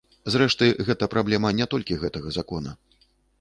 Зрэшты, гэта праблема не толькі гэтага закона.